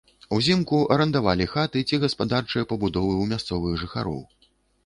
Узімку арандавалі хаты ці гаспадарчыя пабудовы ў мясцовых жыхароў.